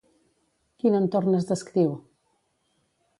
Quin entorn es descriu?